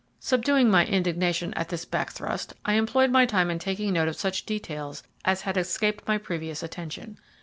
Subduing my indignation at this back thrust, I employed my time in taking note of such details as had escaped my previous attention.